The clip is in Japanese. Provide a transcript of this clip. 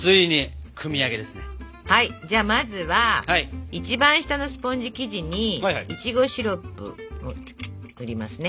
じゃあまずは一番下のスポンジ生地にいちごシロップを塗りますね。